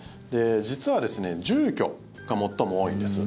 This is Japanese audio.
実は、住居が最も多いんです。